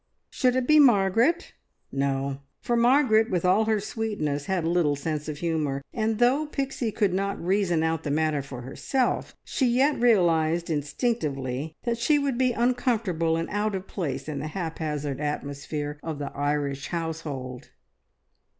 Should it be Margaret? No; for Margaret, with all her sweetness, had little sense of humour, and though Pixie could not reason out the matter for herself, she yet realised instinctively that she would be uncomfortable and out of place in the haphazard atmosphere of the Irish household.